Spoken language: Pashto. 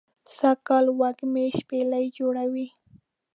سږ کال وږمې شپیلۍ جوړوی